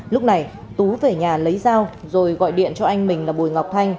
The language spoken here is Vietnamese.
lúc này tú về nhà lấy dao rồi gọi điện cho anh mình là bùi ngọc thanh